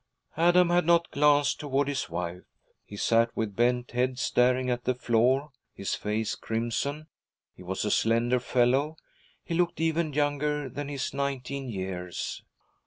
Adam had not glanced toward his wife. He sat with bent head, staring at the floor, his face crimson. He was a slender fellow, he looked even younger than his nineteen years.